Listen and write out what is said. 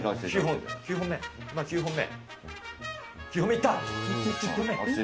９本目、今９本目。